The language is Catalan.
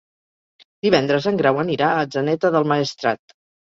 Divendres en Grau anirà a Atzeneta del Maestrat.